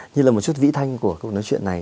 như là một chút vĩ thanh của câu nói chuyện này